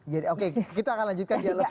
jadi oke kita akan lanjutkan dialog